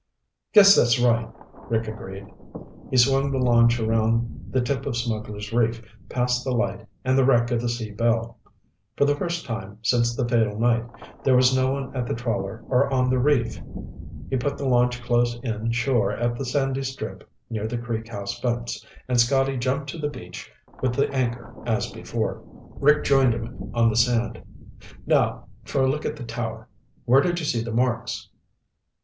"Guess that's right," Rick agreed. He swung the launch around the tip of Smugglers' Reef, past the light and the wreck of the Sea Belle. For the first time since the fatal night, there was no one at the trawler or on the reef. He put the launch close in shore at the sandy strip near the Creek House fence, and Scotty jumped to the beach with the anchor as before. Rick joined him on the sand. "Now for a look at the tower. Where did you see the marks?"